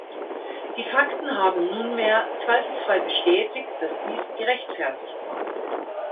Die Fakten haben nunmehr zweifelsfrei bestätigt, dass dies gerechtfertigt war.